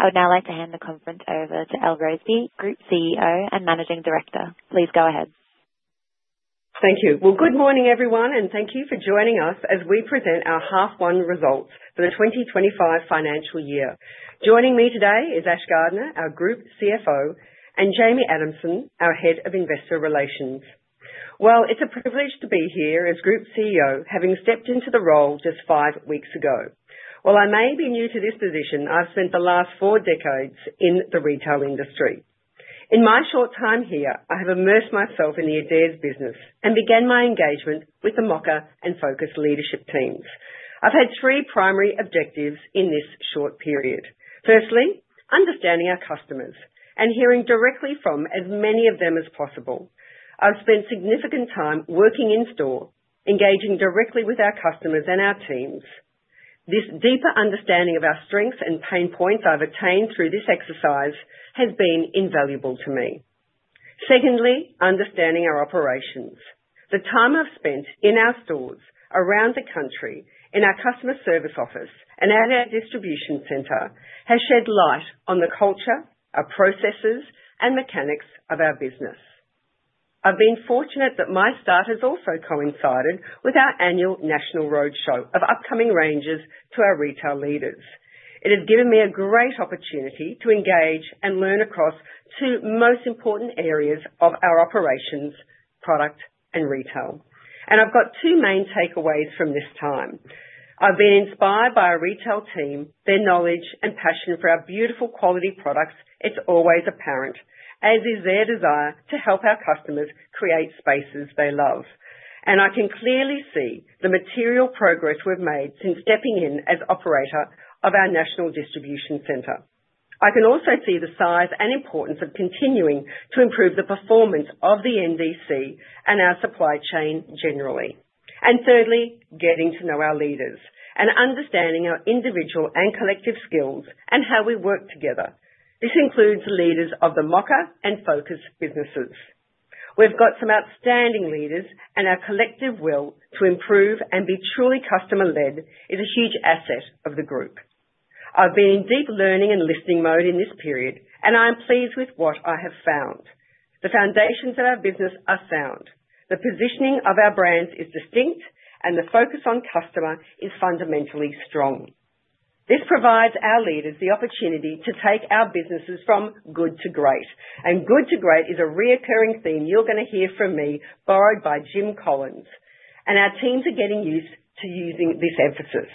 I would now like to hand the conference over to Elle Roseby, Group CEO and Managing Director. Please go ahead. Thank you. Good morning, everyone, and thank you for joining us as we present our half-one results for the 2025 financial year. Joining me today is Ash Gardner, our Group CFO, and Jamie Adamson, our Head of Investor Relations. It is a privilege to be here as Group CEO, having stepped into the role just five weeks ago. While I may be new to this position, I have spent the last four decades in the retail industry. In my short time here, I have immersed myself in the Adairs business and began my engagement with the Mocka and Focus leadership teams. I have had three primary objectives in this short period. Firstly, understanding our customers and hearing directly from as many of them as possible. I have spent significant time working in-store, engaging directly with our customers and our teams. This deeper understanding of our strengths and pain points I've attained through this exercise has been invaluable to me. Secondly, understanding our operations. The time I've spent in our stores around the country, in our customer service office and at our distribution center, has shed light on the culture, our processes, and mechanics of our business. I've been fortunate that my start has also coincided with our annual National Roadshow of upcoming ranges to our retail leaders. It has given me a great opportunity to engage and learn across two most important areas of our operations, product, and retail. I've got two main takeaways from this time. I've been inspired by our retail team, their knowledge and passion for our beautiful, quality products—it's always apparent—as is their desire to help our customers create spaces they love. I can clearly see the material progress we've made since stepping in as operator of our National Distribution Center. I can also see the size and importance of continuing to improve the performance of the NDC and our supply chain generally. Thirdly, getting to know our leaders and understanding our individual and collective skills and how we work together. This includes the leaders of the Mocka and Focus businesses. We've got some outstanding leaders, and our collective will to improve and be truly customer-led is a huge asset of the group. I've been in deep learning and listening mode in this period, and I am pleased with what I have found. The foundations of our business are sound. The positioning of our brands is distinct, and the focus on customer is fundamentally strong. This provides our leaders the opportunity to take our businesses from good to great. Good to great is a reoccurring theme you're going to hear from me borrowed by Jim Collins. Our teams are getting used to using this emphasis.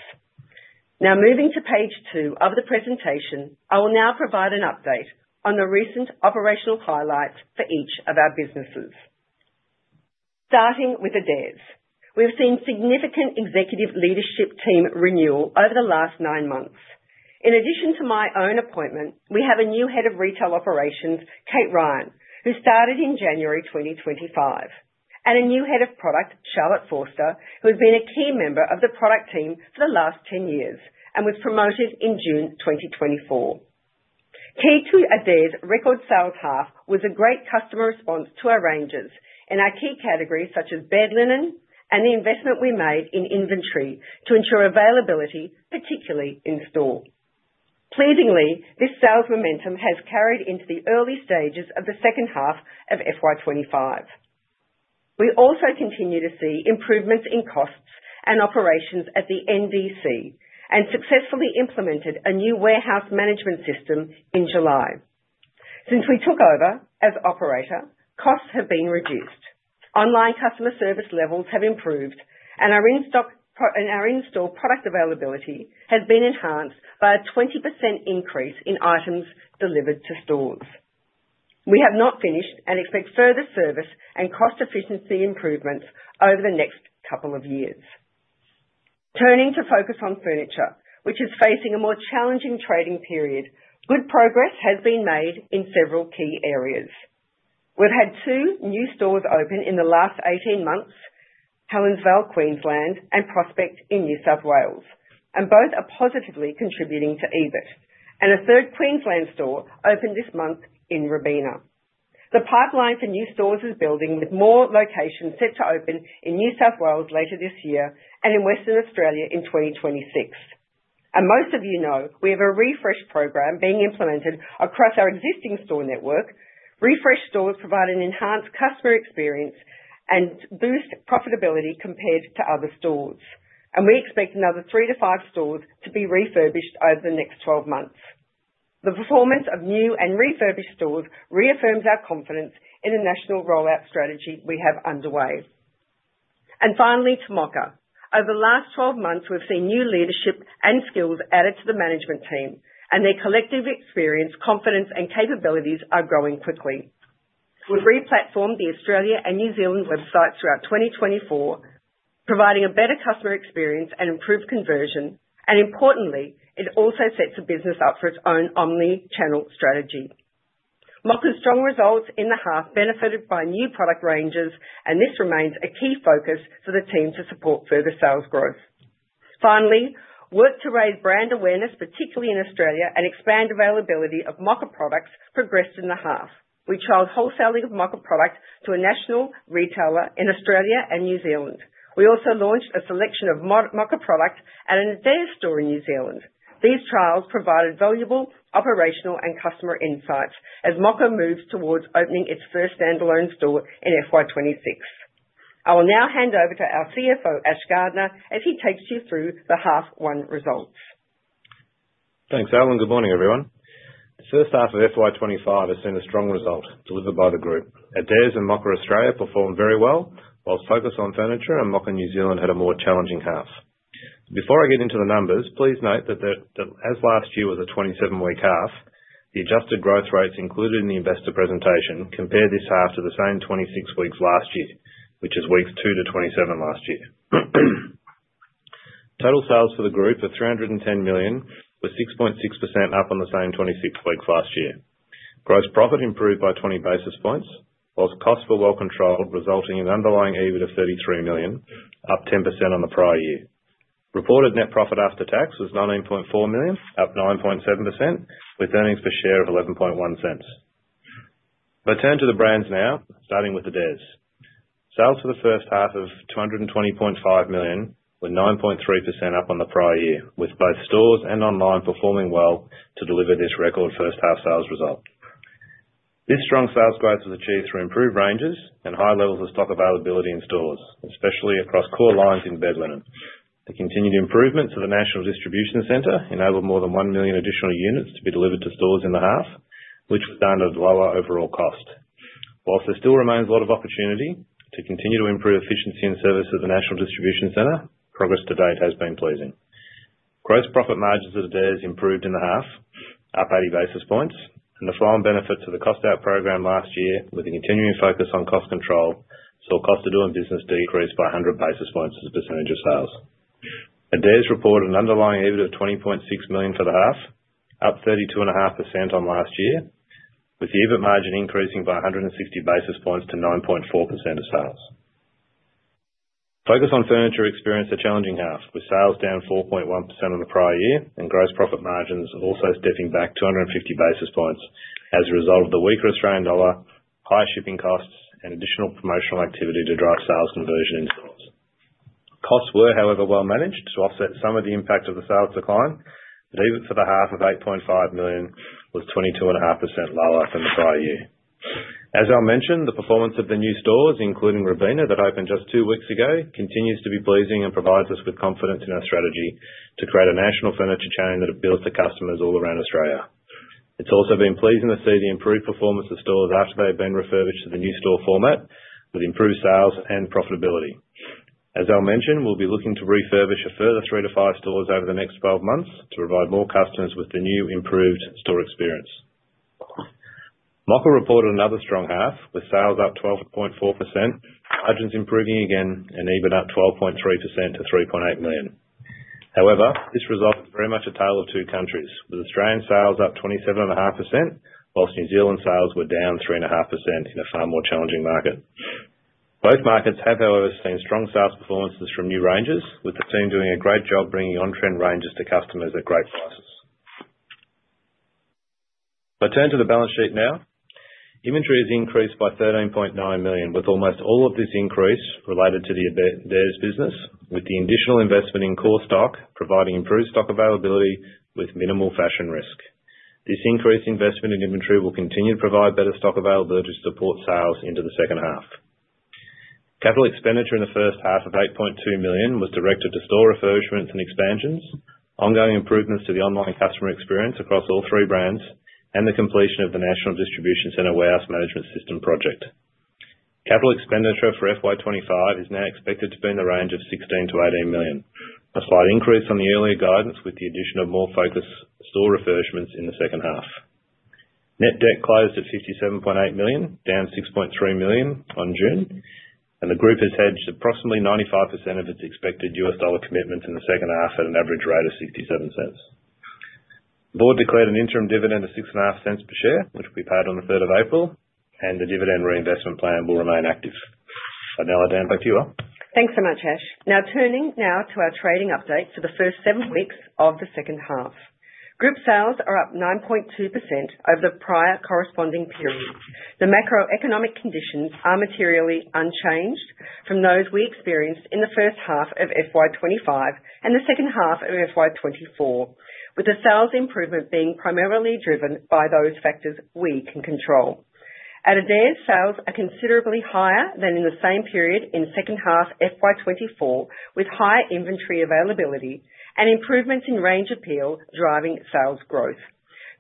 Now, moving to page two of the presentation, I will now provide an update on the recent operational highlights for each of our businesses. Starting with Adairs, we've seen significant executive leadership team renewal over the last nine months. In addition to my own appointment, we have a new Head of Retail Operations, Kate Ryan, who started in January 2025, and a new Head of Product, Charlotte Forster, who has been a key member of the product team for the last 10 years and was promoted in June 2024. Key to Adairs' record sales half was a great customer response to our ranges and our key categories such as bed linen and the investment we made in inventory to ensure availability, particularly in store. Pleasingly, this sales momentum has carried into the early stages of the second half of FY2025. We also continue to see improvements in costs and operations at the NDC and successfully implemented a new warehouse management system in July. Since we took over as operator, costs have been reduced. Online customer service levels have improved, and our in-store product availability has been enhanced by a 20% increase in items delivered to stores. We have not finished and expect further service and cost-efficiency improvements over the next couple of years. Turning to Focus on Furniture, which is facing a more challenging trading period, good progress has been made in several key areas. have had two new stores open in the last 18 months: Helensvale, Queensland, and Prospect in New South Wales, and both are positively contributing to EBIT. A third Queensland store opened this month in Robina. The pipeline for new stores is building, with more locations set to open in New South Wales later this year and in Western Australia in 2026. Most of you know we have a refresh program being implemented across our existing store network. Refreshed stores provide an enhanced customer experience and boost profitability compared to other stores. We expect another three to five stores to be refurbished over the next 12 months. The performance of new and refurbished stores reaffirms our confidence in the national rollout strategy we have underway. Finally, to Mocka. Over the last 12 months, we've seen new leadership and skills added to the management team, and their collective experience, confidence, and capabilities are growing quickly. We have replatformed the Australia and New Zealand websites throughout 2024, providing a better customer experience and improved conversion. Importantly, it also sets the business up for its own omnichannel strategy. Mocka's strong results in the half benefited by new product ranges, and this remains a key focus for the team to support further sales growth. Finally, work to raise brand awareness, particularly in Australia, and expand availability of Mocka products progressed in the half. We trialed wholesaling of Mocka product to a national retailer in Australia and New Zealand. We also launched a selection of Mocka product at an Adairs store in New Zealand. These trials provided valuable operational and customer insights as Mocka moves towards opening its first standalone store in FY 2026. I will now hand over to our CFO, Ashley Gardner, as he takes you through the half-one results. Thanks, Elle. Good morning, everyone. The first half of FY 2025 has seen a strong result delivered by the group. Adairs and Mocka Australia performed very well, while Focus on Furniture and Mocka New Zealand had a more challenging half. Before I get into the numbers, please note that as last year was a 27-week half, the adjusted growth rates included in the investor presentation compare this half to the same 26 weeks last year, which is weeks 2 to 27 last year. Total sales for the group are 310 million, with 6.6% up on the same 26 weeks last year. Gross profit improved by 20 basis points, while costs were well controlled, resulting in underlying EBIT of AUD 33 million, up 10% on the prior year. Reported net profit after tax was AUD 19.4 million, up 9.7%, with earnings per share of 0.111. If I turn to the brands now, starting with Adairs. Sales for the first half of 220.5 million were 9.3% up on the prior year, with both stores and online performing well to deliver this record first-half sales result. This strong sales growth was achieved through improved ranges and high levels of stock availability in stores, especially across core lines in bed linen. The continued improvement to the National Distribution Center enabled more than 1 million additional units to be delivered to stores in the half, which was down to lower overall cost. Whilst there still remains a lot of opportunity to continue to improve efficiency and service of the National Distribution Center, progress to date has been pleasing. Gross profit margins at Adairs improved in the half, up 80 basis points, and the final benefit to the cost-out program last year, with the continuing focus on cost control, saw cost to do in business decrease by 100 basis points as a % of sales. Adairs reported an underlying EBIT of 20.6 million for the half, up 32.5% on last year, with the EBIT margin increasing by 160 basis points to 9.4% of sales. Focus on Furniture experienced a challenging half, with sales down 4.1% on the prior year and gross profit margins also stepping back 250 basis points as a result of the weaker Australian dollar, high shipping costs, and additional promotional activity to drive sales conversion in stores. Costs were, however, well managed to offset some of the impact of the sales decline, but EBIT for the half of 8.5 million was 22.5% lower than the prior year. As I mentioned, the performance of the new stores, including Robina, that opened just two weeks ago, continues to be pleasing and provides us with confidence in our strategy to create a national furniture chain that appeals to customers all around Australia. It's also been pleasing to see the improved performance of stores after they've been refurbished to the new store format, with improved sales and profitability. As I mentioned, we'll be looking to refurbish a further three to five stores over the next 12 months to provide more customers with the new improved store experience. Mocka reported another strong half, with sales up 12.4%, margins improving again, and EBIT up 12.3% to 3.8 million. However, this result is very much a tale of two countries, with Australian sales up 27.5%, whilst New Zealand sales were down 3.5% in a far more challenging market. Both markets have, however, seen strong sales performances from new ranges, with the team doing a great job bringing on-trend ranges to customers at great prices. If I turn to the balance sheet now, inventory has increased by 13.9 million, with almost all of this increase related to the Adairs business, with the additional investment in core stock providing improved stock availability with minimal fashion risk. This increased investment in inventory will continue to provide better stock availability to support sales into the second half. Capital expenditure in the first half of 8.2 million was directed to store refurbishments and expansions, ongoing improvements to the online customer experience across all three brands, and the completion of the National Distribution Center Warehouse Management System project. Capital expenditure for FY 2025 is now expected to be in the range of 16 million-18 million, a slight increase on the earlier guidance with the addition of more Focus on Furniture store refurbishments in the second half. Net debt closed at 57.8 million, down 6.3 million on June, and the group has hedged approximately 95% of its expected USD commitments in the second half at an average rate of $0.67. The board declared an interim dividend of $0.065 per share, which will be paid on the 3rd of April, and the dividend reinvestment plan will remain active. If I now, Elle, back to you. Thanks so much, Ash. Now, turning now to our trading update for the first seven weeks of the second half. Group sales are up 9.2% over the prior corresponding period. The macroeconomic conditions are materially unchanged from those we experienced in the first half of FY 2025 and the second half of FY 2024, with the sales improvement being primarily driven by those factors we can control. At Adairs, sales are considerably higher than in the same period in second half FY 2024, with higher inventory availability and improvements in range appeal driving sales growth.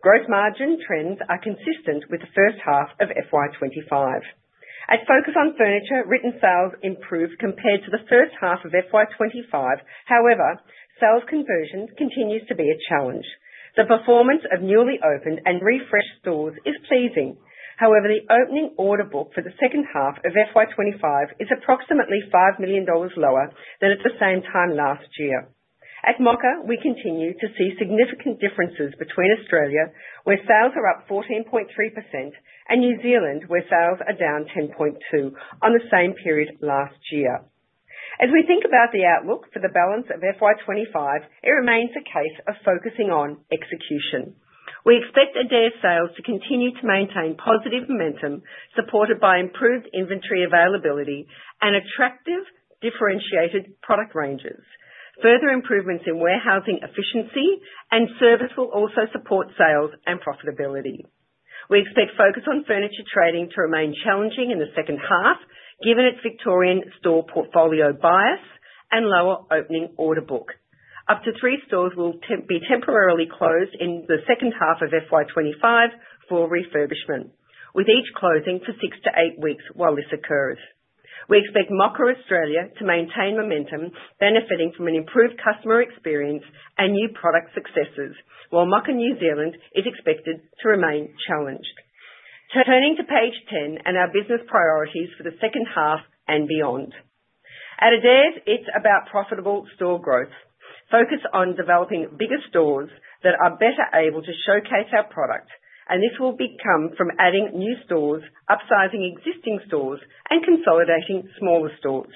Gross margin trends are consistent with the first half of FY 2025. At Focus on Furniture, written sales improved compared to the first half of FY2025. However, sales conversion continues to be a challenge. The performance of newly opened and refreshed stores is pleasing. However, the opening order book for the second half of FY 2025 is approximately 5 million dollars lower than at the same time last year. At Mocka, we continue to see significant differences between Australia, where sales are up 14.3%, and New Zealand, where sales are down 10.2% on the same period last year. As we think about the outlook for the balance of FY 2025, it remains a case of focusing on execution. We expect Adairs sales to continue to maintain positive momentum, supported by improved inventory availability and attractive differentiated product ranges. Further improvements in warehousing efficiency and service will also support sales and profitability. We expect Focus on Furniture trading to remain challenging in the second half, given its Victorian store portfolio bias and lower opening order book. Up to three stores will be temporarily closed in the second half of FY 2025 for refurbishment, with each closing for six to eight weeks while this occurs. We expect Mocka Australia to maintain momentum, benefiting from an improved customer experience and new product successes, while Mocka New Zealand is expected to remain challenged. Turning to page 10 and our business priorities for the second half and beyond. At Adairs, it is about profitable store growth. Focus on developing bigger stores that are better able to showcase our product, and this will come from adding new stores, upsizing existing stores, and consolidating smaller stores.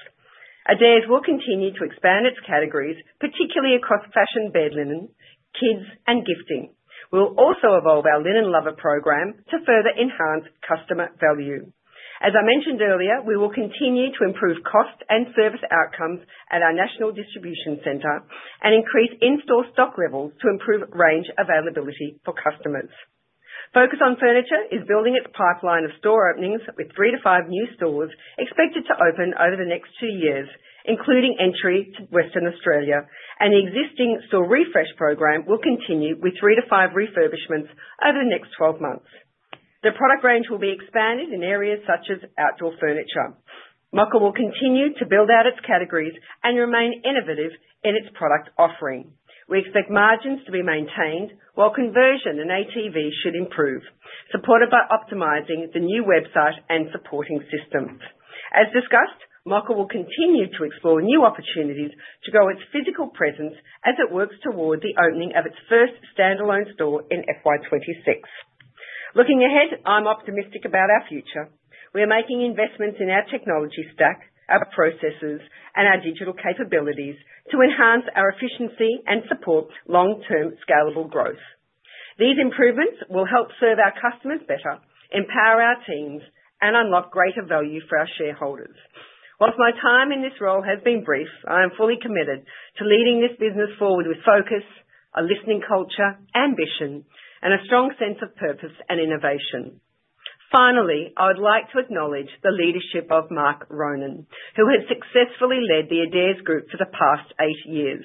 Adairs will continue to expand its categories, particularly across fashion bed linen, kids, and gifting. We will also evolve our Linen Lover program to further enhance customer value. As I mentioned earlier, we will continue to improve cost and service outcomes at our National Distribution Center and increase in-store stock levels to improve range availability for customers. Focus on Furniture is building its pipeline of store openings with three to five new stores expected to open over the next two years, including entry to Western Australia, and the existing store refresh program will continue with three to five refurbishments over the next 12 months. The product range will be expanded in areas such as outdoor furniture. Mocka will continue to build out its categories and remain innovative in its product offering. We expect margins to be maintained while conversion and ATV should improve, supported by optimizing the new website and supporting systems. As discussed, Mocka will continue to explore new opportunities to grow its physical presence as it works toward the opening of its first standalone store in FY 2026. Looking ahead, I'm optimistic about our future. We are making investments in our technology stack, our processes, and our digital capabilities to enhance our efficiency and support long-term scalable growth. These improvements will help serve our customers better, empower our teams, and unlock greater value for our shareholders. Whilst my time in this role has been brief, I am fully committed to leading this business forward with focus, a listening culture, ambition, and a strong sense of purpose and innovation. Finally, I would like to acknowledge the leadership of Mark Ronan, who has successfully led the Adairs Group for the past eight years.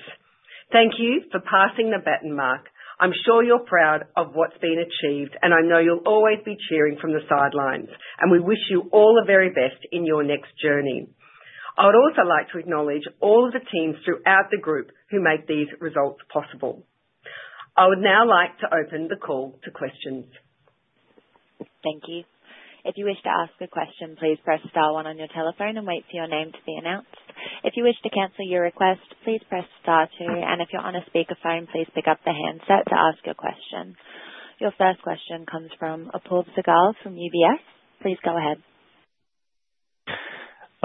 Thank you for passing the baton, Mark. I'm sure you're proud of what's been achieved, and I know you'll always be cheering from the sidelines, and we wish you all the very best in your next journey. I would also like to acknowledge all of the teams throughout the group who make these results possible. I would now like to open the call to questions. Thank you. If you wish to ask a question, please press star one on your telephone and wait for your name to be announced. If you wish to cancel your request, please press star two, and if you're on a speakerphone, please pick up the handset to ask your question. Your first question comes from Apoorv Sehgal from UBS. Please go ahead.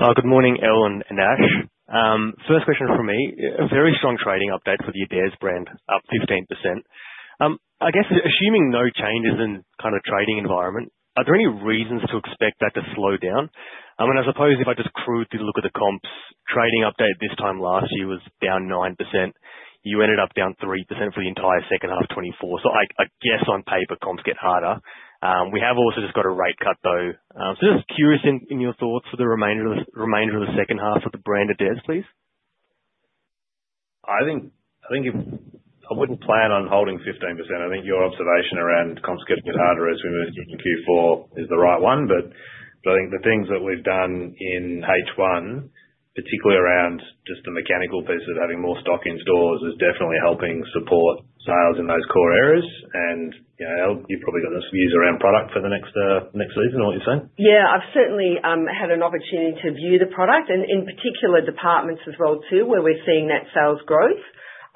Good morning, Elle and Ash. First question for me, a very strong trading update for the Adairs brand, up 15%. I guess assuming no changes in kind of trading environment, are there any reasons to expect that to slow down? I mean, I suppose if I just crude look at the comps, trading update this time last year was down 9%. You ended up down 3% for the entire second half of 2024. I guess on paper, comps get harder. We have also just got a rate cut, though. Just curious in your thoughts for the remainder of the second half of the brand Adairs, please. I think I wouldn't plan on holding 15%. I think your observation around comps getting a bit harder as we move into Q4 is the right one. I think the things that we've done in H1, particularly around just the mechanical piece of having more stock in stores, is definitely helping support sales in those core areas. You've probably got some views around product for the next season, is what you're saying? Yeah, I've certainly had an opportunity to view the product and in particular departments as well too, where we're seeing that sales growth,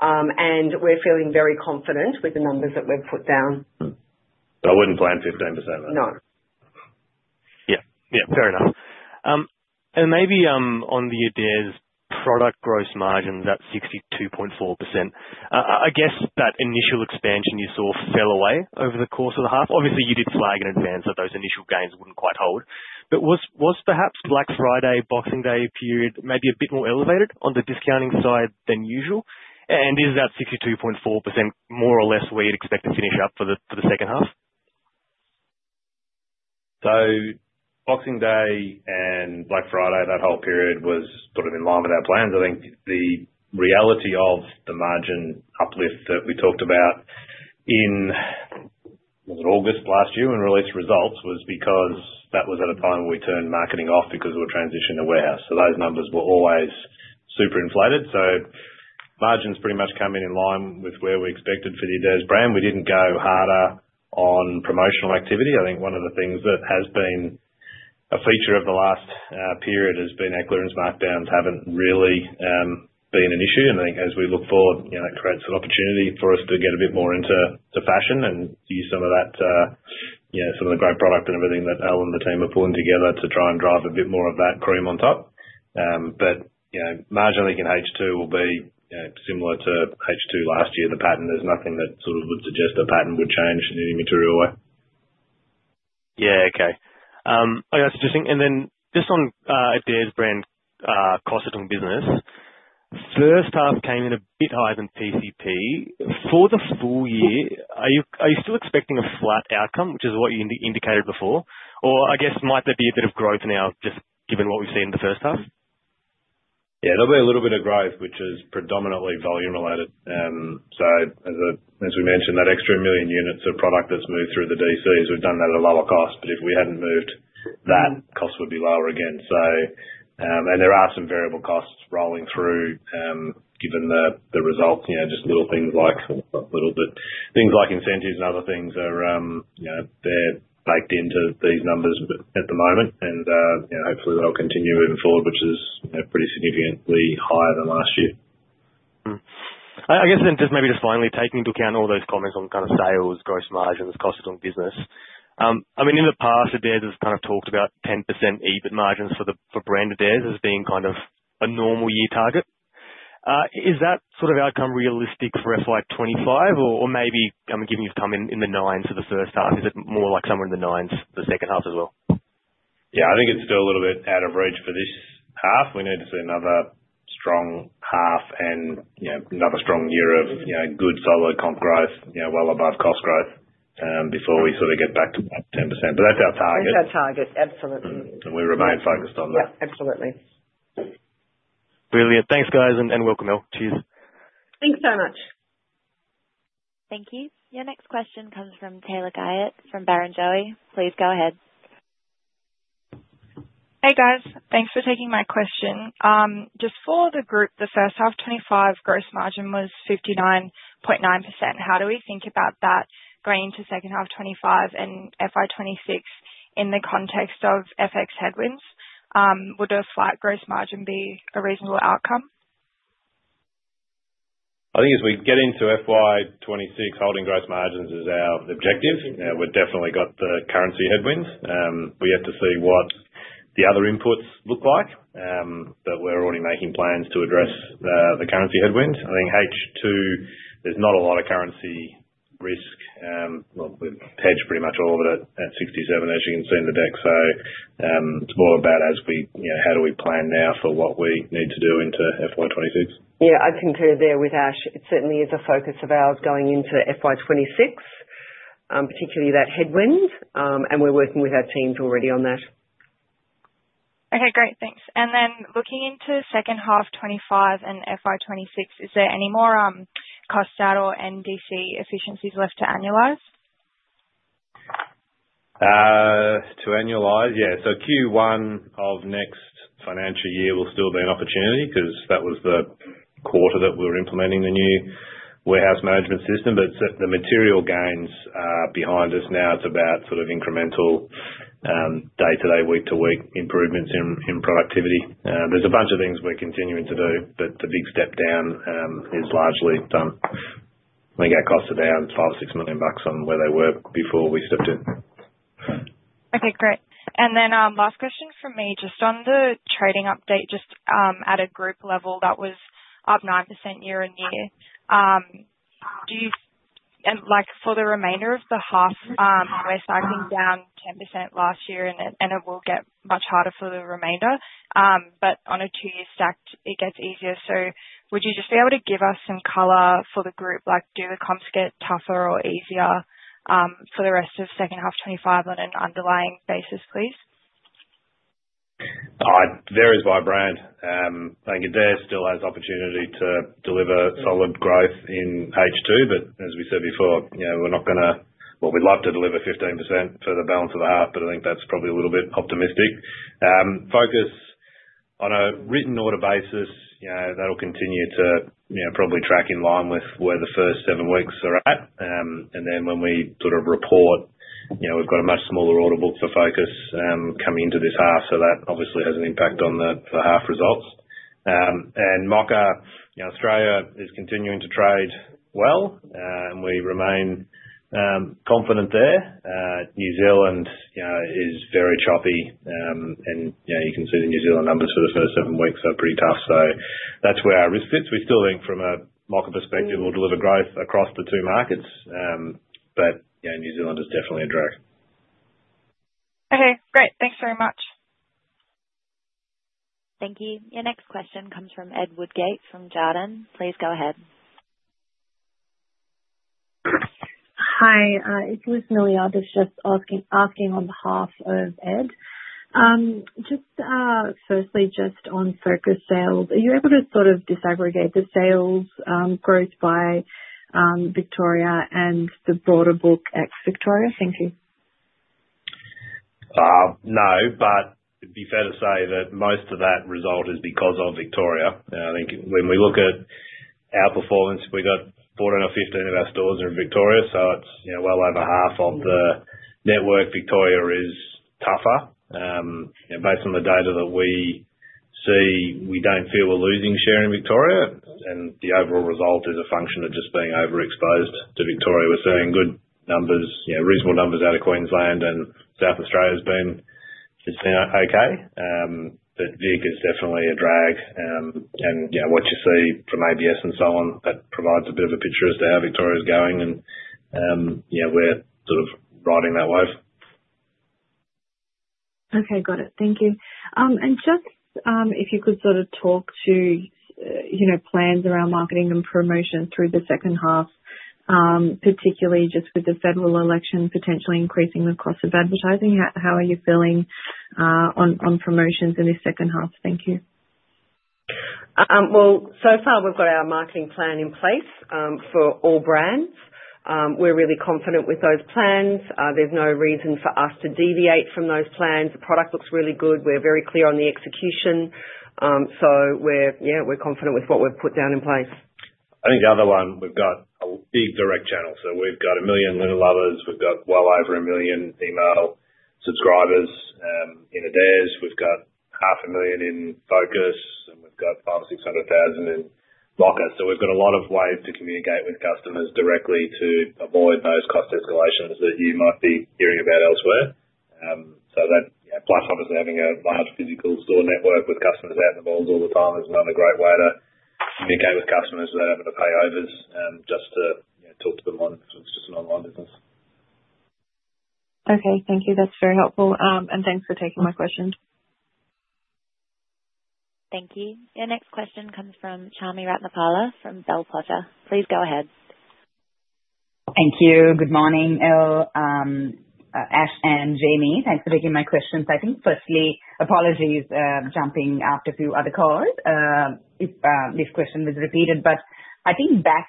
and we're feeling very confident with the numbers that we've put down. I wouldn't plan 15%, though. No. Yeah, yeah, fair enough. Maybe on the Adairs product gross margins, that's 62.4%. I guess that initial expansion you saw fell away over the course of the half. Obviously, you did flag in advance that those initial gains wouldn't quite hold, but was perhaps Black Friday, Boxing Day period maybe a bit more elevated on the discounting side than usual? Is that 62.4% more or less where you'd expect to finish up for the second half? Boxing Day and Black Friday, that whole period was sort of in line with our plans. I think the reality of the margin uplift that we talked about in August last year when we released results was because that was at a time where we turned marketing off because we were transitioning to warehouse. Those numbers were always super inflated. Margins pretty much come in in line with where we expected for the Adairs brand. We did not go harder on promotional activity. I think one of the things that has been a feature of the last period has been our clearance markdowns have not really been an issue. I think as we look forward, that creates an opportunity for us to get a bit more into fashion and use some of that, some of the great product and everything that Elle and the team are pulling together to try and drive a bit more of that cream on top. Marginally in H2 will be similar to H2 last year, the pattern. There is nothing that would suggest the pattern would change in any material way. Yeah, okay. I was just thinking, and then just on Adairs brand costs and business, first half came in a bit higher than PCP. For the full year, are you still expecting a flat outcome, which is what you indicated before? Or I guess might there be a bit of growth now, just given what we've seen in the first half? Yeah, there'll be a little bit of growth, which is predominantly volume related. As we mentioned, that extra million units of product that's moved through the DCs, we've done that at a lower cost, but if we hadn't moved that, costs would be lower again. There are some variable costs rolling through given the results. Just little things like incentives and other things are baked into these numbers at the moment, and hopefully they'll continue moving forward, which is pretty significantly higher than last year. I guess then just maybe just finally taking into account all those comments on kind of sales, gross margins, costs and business. I mean, in the past, Adairs has kind of talked about 10% EBIT margins for brand Adairs as being kind of a normal year target. Is that sort of outcome realistic for FY 2025? Or maybe given you've come in the nines for the first half, is it more like somewhere in the nines for the second half as well? Yeah, I think it's still a little bit out of reach for this half. We need to see another strong half and another strong year of good solid comp growth, well above cost growth before we sort of get back to 10%. That's our target. That's our target, absolutely. We remain focused on that. Yeah, absolutely. Brilliant. Thanks, guys, and welcome, El. Cheers. Thanks so much. Thank you. Your next question comes from Taylor Guyot from Barrenjoey. Please go ahead. Hey, guys. Thanks for taking my question. Just for the group, the first half of 2025 gross margin was 59.9%. How do we think about that going into second half of 2025 and FY 2026 in the context of FX headwinds? Would a flat gross margin be a reasonable outcome? I think as we get into FY 2026, holding gross margins is our objective. We've definitely got the currency headwinds. We have to see what the other inputs look like, but we're already making plans to address the currency headwinds. I think H2, there's not a lot of currency risk. We've hedged pretty much all of it at 0.67, as you can see in the deck. It is more about how do we plan now for what we need to do into FY 2026. Yeah, I concur there with Ash. It certainly is a focus of ours going into FY 2026, particularly that headwind, and we're working with our teams already on that. Okay, great. Thanks. Looking into second half 2025 and FY 2026, is there any more cost out or NDC efficiencies left to analyze? To analyze, yeah. Q1 of next financial year will still be an opportunity because that was the quarter that we were implementing the new warehouse management system. The material gains are behind us now. It's about sort of incremental day-to-day, week-to-week improvements in productivity. There's a bunch of things we're continuing to do, but the big step down is largely done. We got costs down 5 million-6 million bucks on where they were before we stepped in. Okay, great. Last question for me, just on the trading update, just at a group level, that was up 9% year on year. For the remainder of the half, we're cycling down 10% last year, and it will get much harder for the remainder. On a two-year stack, it gets easier. Would you just be able to give us some color for the group? Do the comps get tougher or easier for the rest of second half 2025 on an underlying basis, please? Varies by brand. I think Adairs still has opportunity to deliver solid growth in H2, but as we said before, we're not going to, well, we'd love to deliver 15% for the balance of the half, but I think that's probably a little bit optimistic. Focus on a written order basis. That'll continue to probably track in line with where the first seven weeks are at. When we sort of report, we've got a much smaller order book for Focus coming into this half, so that obviously has an impact on the half results. Mocka, Australia is continuing to trade well. We remain confident there. New Zealand is very choppy, and you can see the New Zealand numbers for the first seven weeks are pretty tough. That's where our risk sits. We still think from a Mocka perspective, we'll deliver growth across the two markets, but New Zealand is definitely a drag. Okay, great. Thanks very much. Thank you. Your next question comes from Ed Woodgate from Jarden. Please go ahead. Hi, it's Liz Miliatis just asking on behalf of Ed. Just firstly, just on Focus sales, are you able to sort of disaggregate the sales growth by Victoria and the broader book at Victoria? Thank you. No, but it'd be fair to say that most of that result is because of Victoria. I think when we look at our performance, we got 14 or 15 of our stores in Victoria, so it's well over half of the network. Victoria is tougher. Based on the data that we see, we don't feel we're losing share in Victoria, and the overall result is a function of just being overexposed to Victoria. We're seeing good numbers, reasonable numbers out of Queensland, and South Australia has been okay. VIC is definitely a drag. What you see from ABS and so on, that provides a bit of a picture as to how Victoria's going, and we're sort of riding that wave. Okay, got it. Thank you. If you could sort of talk to plans around marketing and promotion through the second half, particularly just with the federal election potentially increasing the cost of advertising, how are you feeling on promotions in this second half? Thank you. So far we've got our marketing plan in place for all brands. We're really confident with those plans. There's no reason for us to deviate from those plans. The product looks really good. We're very clear on the execution. So yeah, we're confident with what we've put down in place. I think the other one, we've got a big direct channel. We've got a million Linen Lovers. We've got well over a million email subscribers in Adairs. We've got 500,000 in Focus, and we've got 500,000-600,000 in Mocka. We've got a lot of ways to communicate with customers directly to avoid those cost escalations that you might be hearing about elsewhere. That plus us having a large physical store network with customers out in the bowls all the time is another great way to communicate with customers without having to pay overs just to talk to them on. It's just an online business. Okay, thank you. That's very helpful. Thanks for taking my questions. Thank you. Your next question comes from Chami Ratnapala from Bell Potter. Please go ahead. Thank you. Good morning, Elle, Ash, and Jamie. Thanks for taking my questions. I think firstly, apologies jumping after a few other calls. This question was repeated, but I think back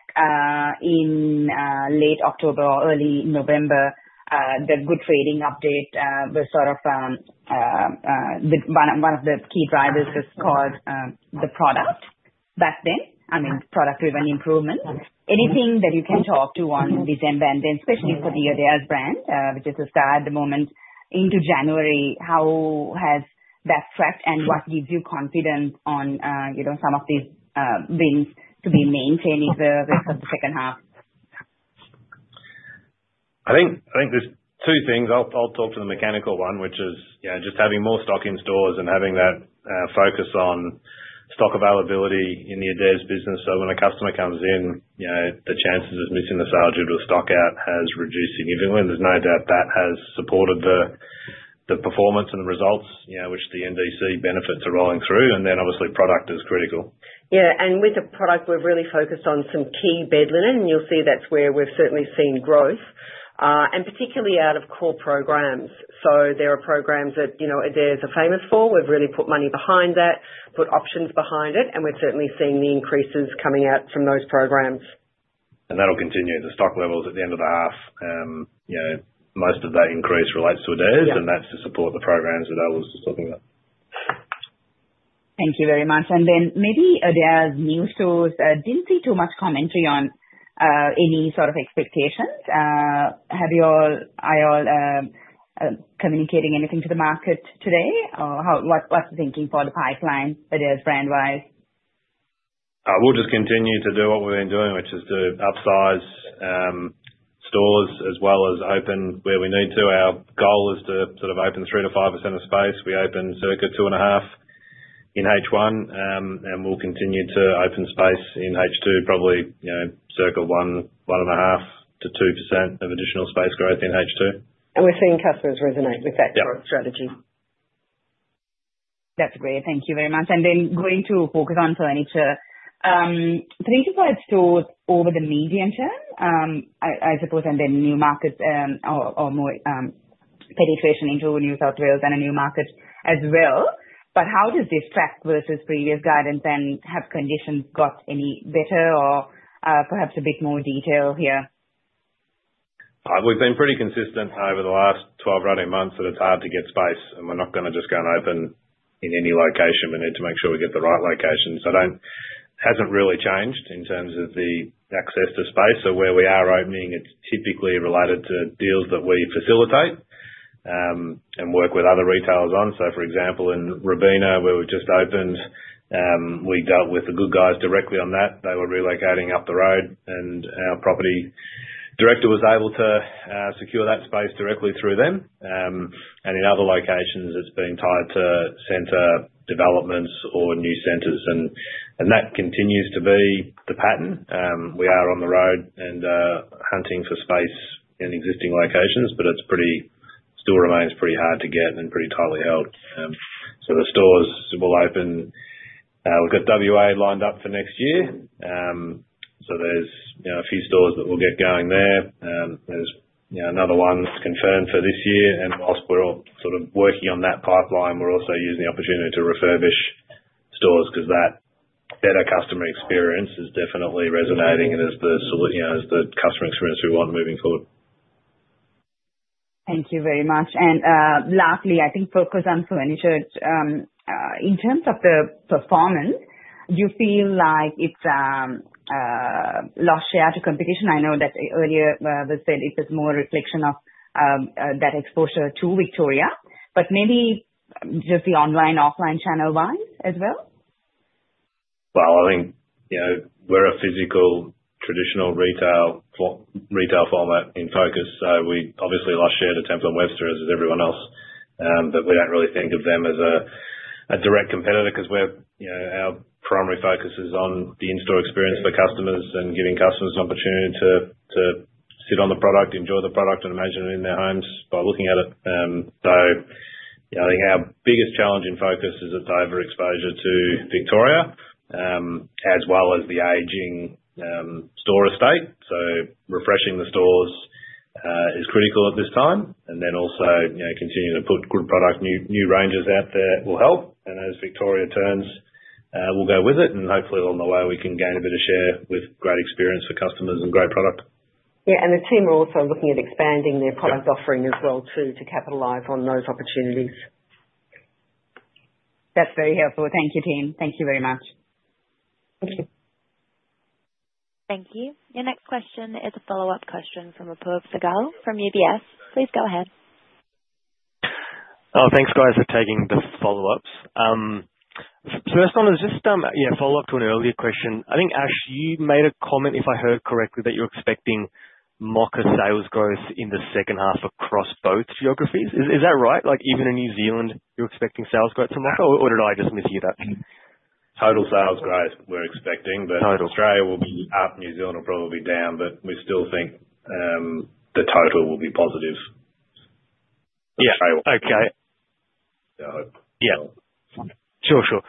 in late October or early November, the good trading update was sort of one of the key drivers was called the product back then. I mean, product-driven improvement. Anything that you can talk to on December, and then especially for the Adairs brand, which is a star at the moment, into January, how has that tracked and what gives you confidence on some of these wins to be maintained in the rest of the second half? I think there's two things. I'll talk to the mechanical one, which is just having more stock in stores and having that focus on stock availability in the Adairs business. When a customer comes in, the chances of missing the sale due to a stock out has reduced significantly. There's no doubt that has supported the performance and the results, which the NDC benefits are rolling through. Obviously, product is critical. Yeah, and with the product, we're really focused on some key bed linen. You'll see that's where we've certainly seen growth, and particularly out of core programs. There are programs that Adairs are famous for. We've really put money behind that, put options behind it, and we've certainly seen the increases coming out from those programs. That'll continue. The stock levels at the end of the half, most of that increase relates to Adairs, and that's to support the programs that Elle was just talking about. Thank you very much. Maybe Adairs new stores, I did not see too much commentary on any sort of expectations. Are you all communicating anything to the market today? What is the thinking for the pipeline, Adairs brand-wise? We'll just continue to do what we've been doing, which is to upsize stores as well as open where we need to. Our goal is to sort of open 3%-5% of space. We open circa 2.5% in H1, and we'll continue to open space in H2, probably circa 1%, 1.5%-2% of additional space growth in H2. We're seeing customers resonate with that growth strategy. Yeah. That's great. Thank you very much. Going to Focus on Furniture, three to five stores over the medium term, I suppose, and then new markets or more penetration into New South Wales and a new market as well. How does this track versus previous guidance and have conditions got any better or perhaps a bit more detail here? We've been pretty consistent over the last 12 running months that it's hard to get space, and we're not going to just go and open in any location. We need to make sure we get the right location. It hasn't really changed in terms of the access to space. Where we are opening, it's typically related to deals that we facilitate and work with other retailers on. For example, in Robina, where we've just opened, we dealt with The Good Guys directly on that. They were relocating up the road, and our Property Director was able to secure that space directly through them. In other locations, it's been tied to center developments or new centers, and that continues to be the pattern. We are on the road and hunting for space in existing locations, but it still remains pretty hard to get and pretty tightly held. The stores will open. We've got Western Australia lined up for next year. There are a few stores that we'll get going there. There's another one confirmed for this year. Whilst we're all sort of working on that pipeline, we're also using the opportunity to refurbish stores because that better customer experience is definitely resonating and is the customer experience we want moving forward. Thank you very much. Lastly, I think Focus on Furniture. In terms of the performance, do you feel like it's lost share to competition? I know that earlier was said it was more a reflection of that exposure to Victoria, but maybe just the online, offline channel-wise as well? I think we're a physical, traditional retail format in Focus. We obviously lost share to Temple & Webster as everyone else, but we don't really think of them as a direct competitor because our primary focus is on the in-store experience for customers and giving customers an opportunity to sit on the product, enjoy the product, and imagine it in their homes by looking at it. I think our biggest challenge in Focus is its overexposure to Victoria as well as the aging store estate. Refreshing the stores is critical at this time. Also, continuing to put good product, new ranges out there will help. As Victoria turns, we'll go with it. Hopefully, along the way, we can gain a bit of share with great experience for customers and great product. Yeah, the team are also looking at expanding their product offering as well to capitalize on those opportunities. That's very helpful. Thank you, team. Thank you very much. Thank you. Thank you. Your next question is a follow-up question from Apoorv Sehgal from UBS. Please go ahead. Oh, thanks, guys, for taking the follow-ups. First one is just a follow-up to an earlier question. I think, Ash, you made a comment, if I heard correctly, that you're expecting Mocka sales growth in the second half across both geographies. Is that right? Even in New Zealand, you're expecting sales growth for Mocka, or did I just mishear that? Total sales growth we're expecting, but Australia will be up. New Zealand will probably be down, but we still think the total will be positive. Yeah. Okay. Yeah, I hope. Yeah. Sure, sure.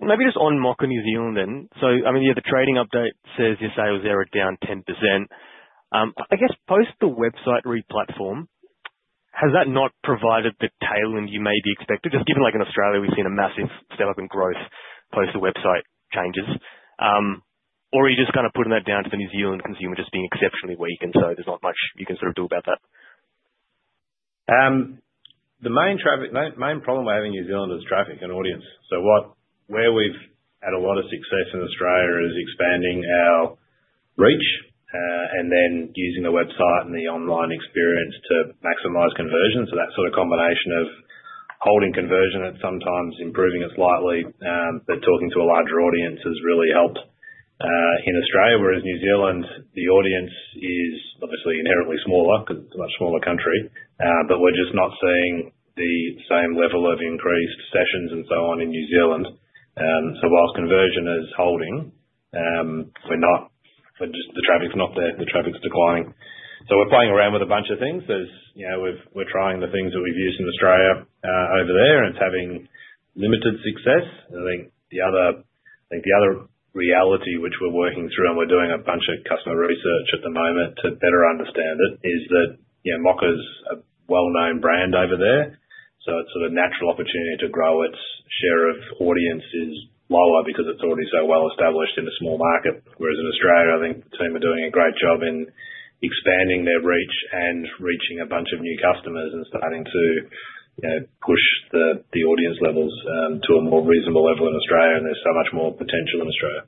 Maybe just on Mocka New Zealand then. I mean, yeah, the trading update says your sales there are down 10%. I guess post the website re-platform, has that not provided the tailwind you maybe expected? Just given in Australia, we've seen a massive step up in growth post the website changes. Are you just kind of putting that down to the New Zealand consumer just being exceptionally weak and so there's not much you can sort of do about that? The main problem we're having in New Zealand is traffic and audience. Where we've had a lot of success in Australia is expanding our reach and then using the website and the online experience to maximize conversion. That sort of combination of holding conversion and sometimes improving it slightly but talking to a larger audience has really helped in Australia. New Zealand, the audience is obviously inherently smaller, a much smaller country, but we're just not seeing the same level of increased sessions and so on in New Zealand. Whilst conversion is holding, the traffic's not there. The traffic's declining. We're playing around with a bunch of things. We're trying the things that we've used in Australia over there, and it's having limited success. I think the other reality, which we're working through, and we're doing a bunch of customer research at the moment to better understand it, is that Mocka's a well-known brand over there. It is sort of a natural opportunity to grow its share of audiences lower because it's already so well established in a small market. Whereas in Australia, I think the team are doing a great job in expanding their reach and reaching a bunch of new customers and starting to push the audience levels to a more reasonable level in Australia, and there's so much more potential in Australia.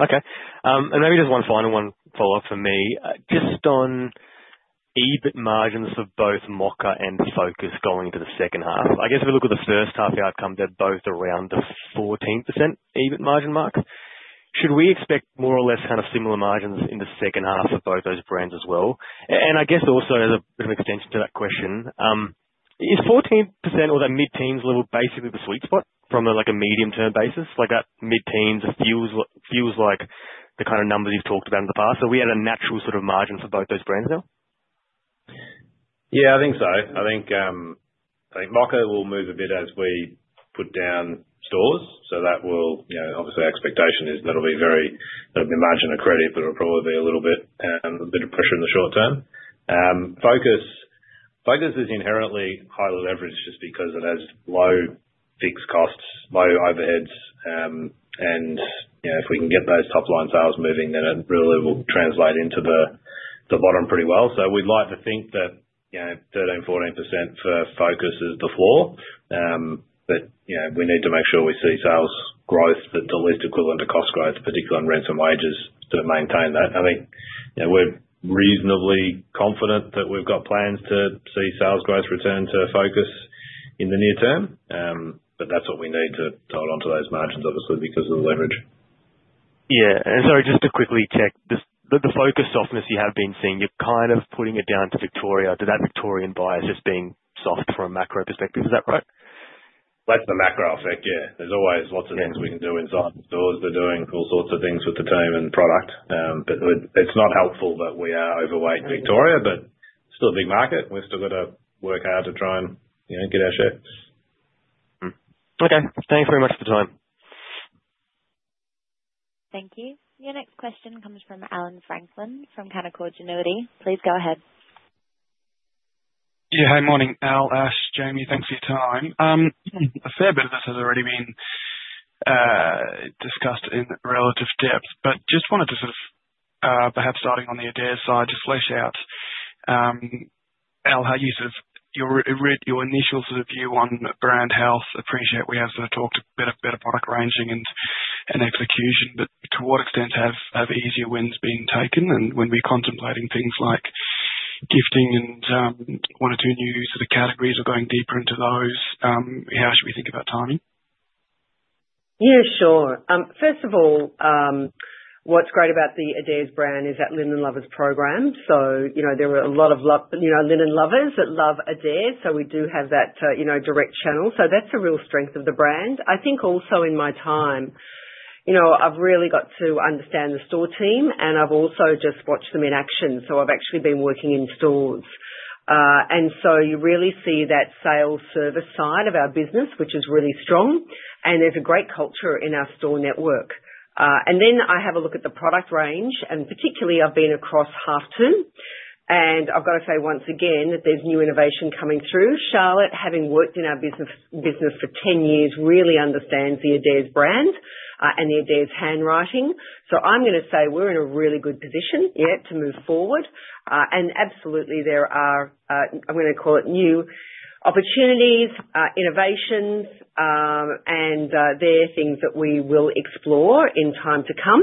Okay. Maybe just one final follow-up for me. Just on EBIT margins for both Mocka and Focus going into the second half. I guess if we look at the first half, the outcome, they're both around the 14% EBIT margin mark. Should we expect more or less kind of similar margins in the second half for both those brands as well? I guess also as a bit of an extension to that question, is 14% or that mid-teens level basically the sweet spot from a medium-term basis? That mid-teens feels like the kind of numbers you've talked about in the past. Do we have a natural sort of margin for both those brands now? Yeah, I think so. I think Mocka will move a bit as we put down stores. That will obviously expectation is that it'll be very, that'll be margin accredited, but it'll probably be a little bit of pressure in the short term. Focus is inherently highly leveraged just because it has low fixed costs, low overheads, and if we can get those top-line sales moving, it really will translate into the bottom pretty well. We'd like to think that 13%-14% for Focus is the floor, but we need to make sure we see sales growth that's at least equivalent to cost growth, particularly on rents and wages, to maintain that. I think we're reasonably confident that we've got plans to see sales growth return to Focus in the near term, but that's what we need to hold on to those margins, obviously, because of the leverage. Yeah. Sorry, just to quickly check, the Focus softness you have been seeing, you're kind of putting it down to Victoria. That Victorian bias is being soft from a macro perspective. Is that right? That's the macro effect, yeah. There's always lots of things we can do inside the stores. They're doing all sorts of things with the team and product, but it's not helpful that we are overweight Victoria, but it's still a big market, and we've still got to work hard to try and get our share. Okay. Thanks very much for the time. Thank you. Your next question comes from Allan Franklin from Canaccord Genuity. Please go ahead. Yeah. Hi, morning, Elle, Ash, Jamie. Thanks for your time. A fair bit of this has already been discussed in relative depth, but just wanted to sort of perhaps starting on the Adairs side, just flesh out, Elle, how you sort of your initial sort of view on brand health. Appreciate we have sort of talked a bit about product ranging and execution, but to what extent have easier wins been taken? When we're contemplating things like gifting and one or two new sort of categories or going deeper into those, how should we think about timing? Yeah, sure. First of all, what's great about the Adairs brand is that Linen Lovers program. There were a lot of Linen Lovers that love Adairs, so we do have that direct channel. That's a real strength of the brand. I think also in my time, I've really got to understand the store team, and I've also just watched them in action. I've actually been working in stores. You really see that sales service side of our business, which is really strong, and there's a great culture in our store network. I have a look at the product range, and particularly I've been across half too. I've got to say once again that there's new innovation coming through. Charlotte, having worked in our business for 10 years, really understands the Adairs brand and the Adairs handwriting. I'm going to say we're in a really good position yet to move forward. Absolutely, there are, I'm going to call it, new opportunities, innovations, and there are things that we will explore in time to come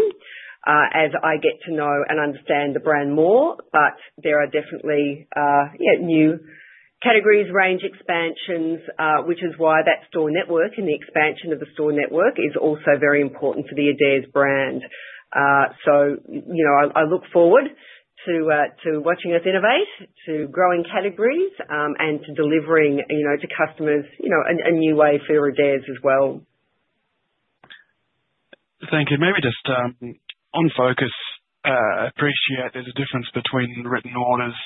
as I get to know and understand the brand more. There are definitely, yeah, new categories, range expansions, which is why that store network and the expansion of the store network is also very important for the Adairs brand. I look forward to watching us innovate, to growing categories, and to delivering to customers a new way for Adairs as well. Thank you. Maybe just on Focus, I appreciate there's a difference between written orders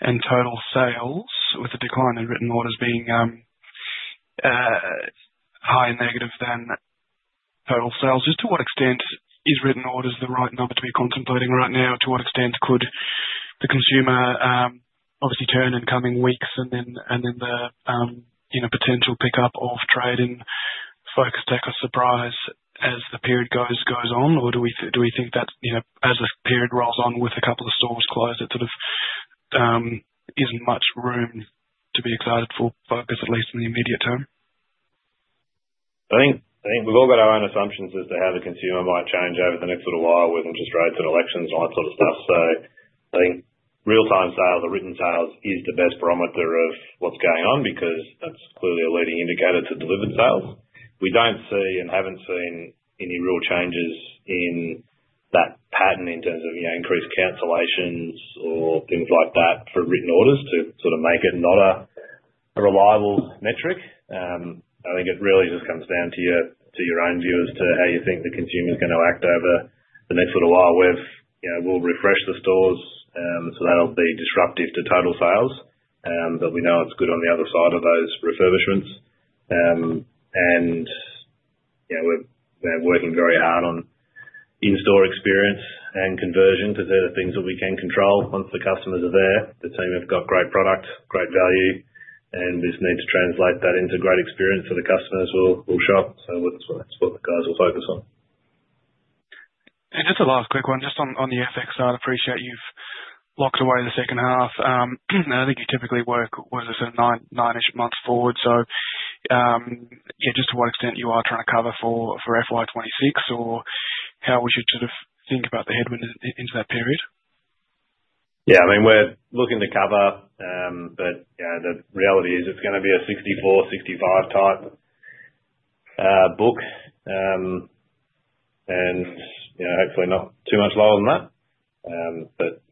and total sales, with the decline in written orders being higher negative than total sales. Just to what extent is written orders the right number to be contemplating right now? To what extent could the consumer obviously turn in coming weeks and then the potential pickup of trade in Focus take a surprise as the period goes on? Do we think that as the period rolls on with a couple of stores closed, it sort of isn't much room to be excited for Focus, at least in the immediate term? I think we've all got our own assumptions as to how the consumer might change over the next little while with interest rates and elections and all that sort of stuff. I think real-time sales, the written sales, is the best barometer of what's going on because that's clearly a leading indicator to delivered sales. We don't see and haven't seen any real changes in that pattern in terms of increased cancellations or things like that for written orders to sort of make it not a reliable metric. I think it really just comes down to your own view as to how you think the consumer is going to act over the next little while. We'll refresh the stores, so that'll be disruptive to total sales, but we know it's good on the other side of those refurbishments. We are working very hard on in-store experience and conversion because they are the things that we can control once the customers are there. The team have got great product, great value, and we just need to translate that into great experience so the customers will shop. That is what the guys will focus on. Just a last quick one, just on the FX side, I appreciate you've locked away the second half. I think you typically work with a sort of nine-ish months forward. Yeah, just to what extent you are trying to cover for FY 2026 or how we should sort of think about the headwind into that period? Yeah. I mean, we're looking to cover, but yeah, the reality is it's going to be a 64-65 type book and hopefully not too much lower than that.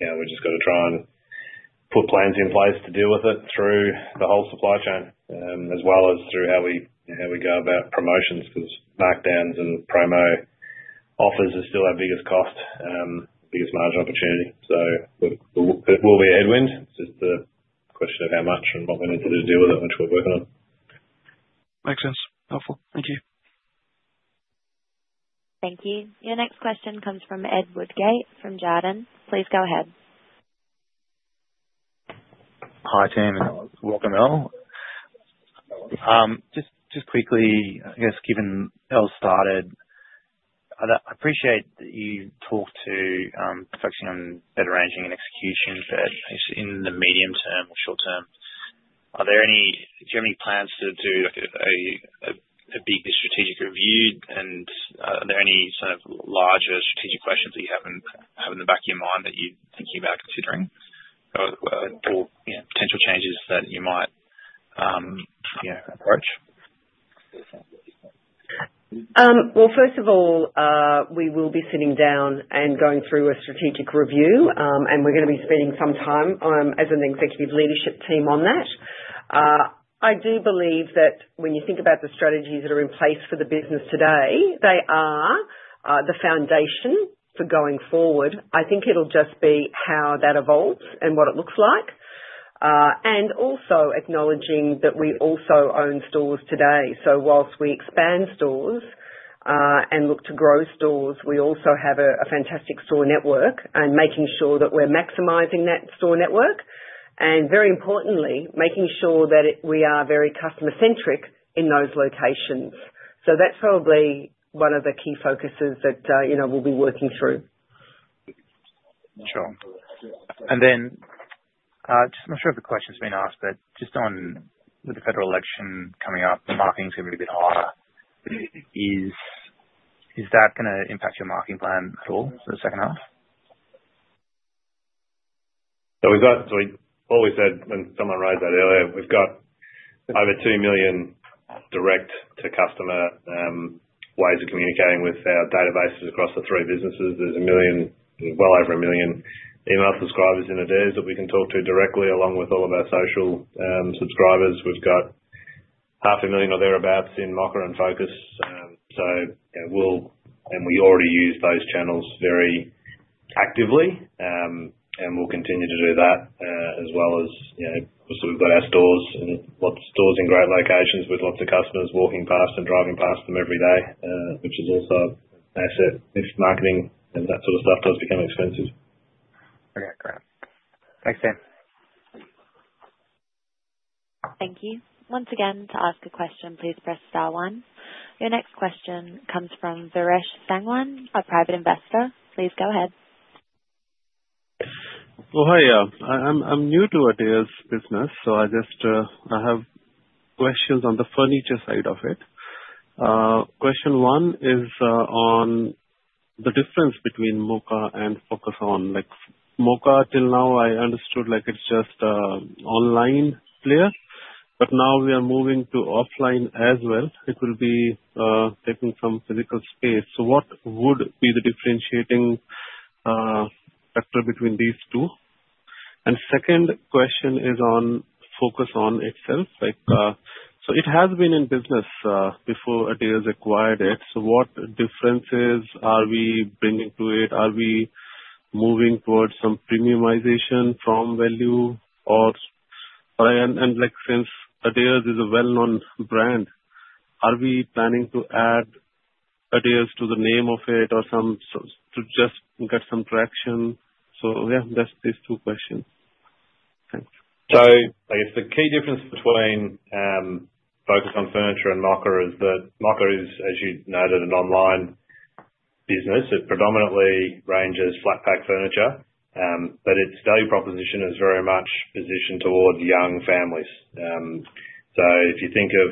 Yeah, we've just got to try and put plans in place to deal with it through the whole supply chain as well as through how we go about promotions because markdowns and promo offers are still our biggest cost, biggest margin opportunity. It will be a headwind. It's just a question of how much and what we need to do to deal with it, which we're working on. Makes sense. Helpful. Thank you. Thank you. Your next question comes from Ed Woodgate from Jarden. Please go ahead. Hi, team. Welcome, Elle. Just quickly, I guess, given Elle's started, I appreciate that you talked to focusing on better ranging and execution, but in the medium term or short term, do you have any plans to do a big strategic review? Are there any sort of larger strategic questions that you have in the back of your mind that you're thinking about considering or potential changes that you might approach? First of all, we will be sitting down and going through a strategic review, and we're going to be spending some time as an executive leadership team on that. I do believe that when you think about the strategies that are in place for the business today, they are the foundation for going forward. I think it'll just be how that evolves and what it looks like. Also acknowledging that we also own stores today. Whilst we expand stores and look to grow stores, we also have a fantastic store network and making sure that we're maximizing that store network. Very importantly, making sure that we are very customer-centric in those locations. That's probably one of the key focuses that we'll be working through. Sure. Just not sure if the question's been asked, but just on with the federal election coming up, the marketing's going to be a bit higher. Is that going to impact your marketing plan at all for the second half? We've always said, and someone raised that earlier, we've got over 2 million direct-to-customer ways of communicating with our databases across the three businesses. There's a million, well over a million, email subscribers in Adairs that we can talk to directly along with all of our social subscribers. We've got 500,000 or thereabouts in Mocka and Focus. We already use those channels very actively, and we'll continue to do that as well as obviously we've got our stores in lots of stores in great locations with lots of customers walking past and driving past them every day, which is also an asset if marketing and that sort of stuff does become expensive. Okay. Great. Thanks, team. Thank you. Once again, to ask a question, please press star one. Your next question comes from Veresh Sangwan, a private investor. Please go ahead. Hi. I'm new to Adairs' business, so I have questions on the furniture side of it. Question one is on the difference between Mocka and Focus on. Mocka, till now, I understood it's just an online player, but now we are moving to offline as well. It will be taking some physical space. What would be the differentiating factor between these two? My second question is on Focus on itself. It has been in business before Adairs acquired it. What differences are we bringing to it? Are we moving towards some premiumization from value? Since Adairs is a well-known brand, are we planning to add Adairs to the name of it or just get some traction? Yeah, that's these two questions. Thanks. I guess the key difference between Focus on Furniture and Mocka is that Mocka is, as you noted, an online business. It predominantly ranges flat-pack furniture, but its value proposition is very much positioned towards young families. If you think of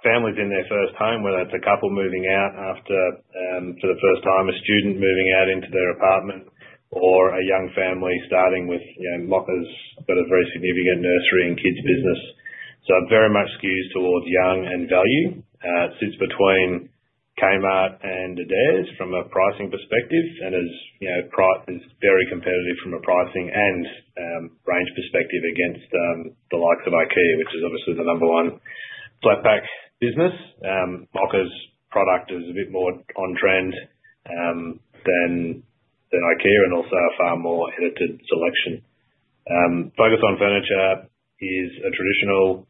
families in their first home, whether it's a couple moving out for the first time, a student moving out into their apartment, or a young family starting with Mocka's got a very significant nursery and kids' business. It very much skews towards young and value. It sits between Kmart and Adairs from a pricing perspective and is very competitive from a pricing and range perspective against the likes of IKEA, which is obviously the number one flat-pack business. Mocka's product is a bit more on-trend than IKEA and also a far more edited selection. Focus on Furniture is a traditional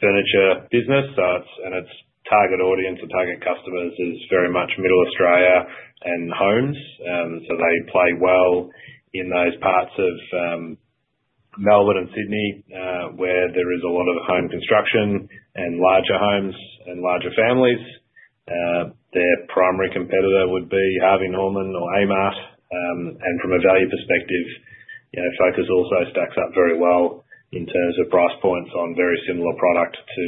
furniture business, and its target audience or target customers is very much Middle Australia and homes. They play well in those parts of Melbourne and Sydney where there is a lot of home construction and larger homes and larger families. Their primary competitor would be Harvey Norman or Amart. From a value perspective, Focus also stacks up very well in terms of price points on very similar product to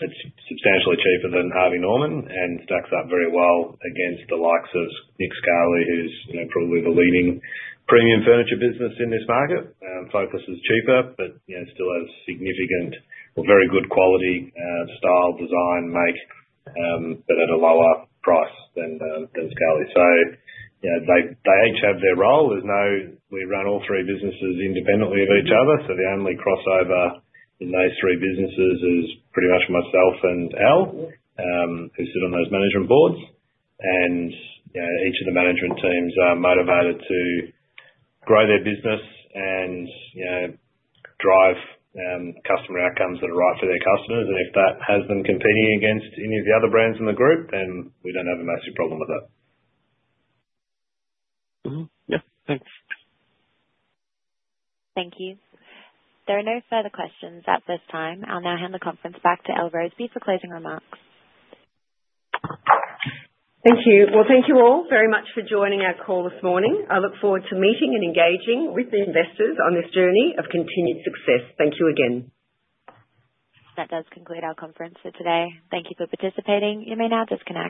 it's substantially cheaper than Harvey Norman and stacks up very well against the likes of Nick Scali, who's probably the leading premium furniture business in this market. Focus is cheaper, but still has significant or very good quality style design, make, but at a lower price than Scali. They each have their role. We run all three businesses independently of each other, so the only crossover in those three businesses is pretty much myself and Elle, who sit on those management boards. Each of the management teams are motivated to grow their business and drive customer outcomes that are right for their customers. If that has them competing against any of the other brands in the group, then we do not have a massive problem with that. Yeah. Thanks. Thank you. There are no further questions at this time. I'll now hand the conference back to Elle Roseby for closing remarks. Thank you. Thank you all very much for joining our call this morning. I look forward to meeting and engaging with the investors on this journey of continued success. Thank you again. That does conclude our conference for today. Thank you for participating. You may now disconnect.